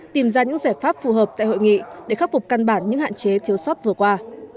tìm ra những giải pháp phù hợp tại hội nghị để khắc phục căn bản những hạn chế thiếu sót vừa qua